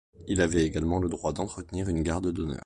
Il avait également le droit d'entretenir une garde d'honneur.